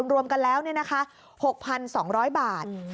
รวมกันแล้วเนี่ยนะคะ๖๒๐๐บาท